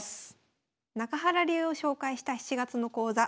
中原流を紹介した７月の講座